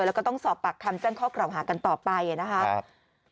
แล้วก็ต้องสอบปากคำแจ้งข้อกล่าวหากันต่อไปนะครับ